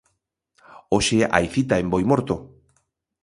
Hoxe hai cita en Boimorto.